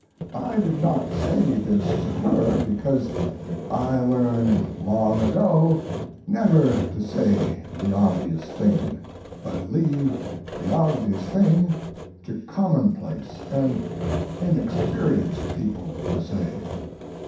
I did not say this to her, because I learned long ago never to say the obvious thing, but leave the obvious thing to commonplace and inexperienced people to say.